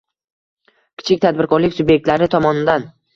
Kichik tadbirkorlik sub’ektlari tomonidan